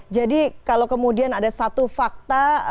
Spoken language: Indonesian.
jadi kalau kemudian ada satu fakta